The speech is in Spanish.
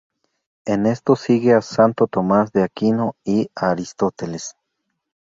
En esto sigue a Santo Tomás de Aquino y a Aristóteles.